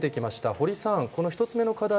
堀さん、この１つ目の課題